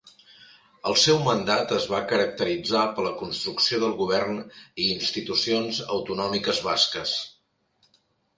El seu mandat es va caracteritzar per la construcció del govern i institucions autonòmiques basques.